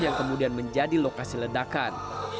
yang kemudian menjadi lokasi ledakan